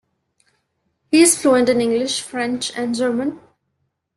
He is fluent in English, French and German.